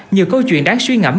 nhiều câu chuyện đáng suy ngẩm